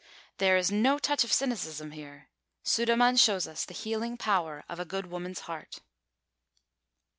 There is no touch of cynicism here. Sudermann shows us the healing power of a good woman's heart.